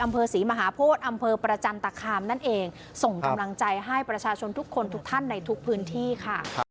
อำเภอศรีมหาโพธิอำเภอประจันตคามนั่นเองส่งกำลังใจให้ประชาชนทุกคนทุกท่านในทุกพื้นที่ค่ะ